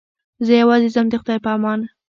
زه یوازې ځم د خدای په امان.